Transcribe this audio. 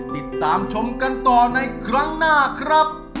ติดตามชมกันต่อในครั้งหน้าครับ